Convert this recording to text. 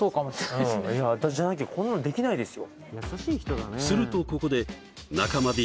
あっこのそうじゃなきゃこんなんできないですよ